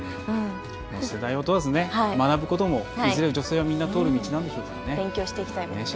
世代を問わず学ぶこともいずれは女性はみんな通る道なんでしょうからね。